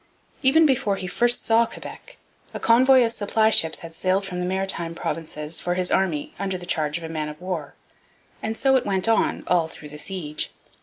Even before he first saw Quebec, a convoy of supply ships had sailed from the Maritime Provinces for his army under the charge of a man of war. And so it went on all through the siege.